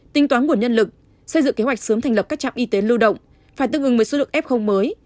tính toán nguồn nhân lực xây dựng kế hoạch sớm thành lập các trạm y tế lưu động phải tương ứng với số lượng f mới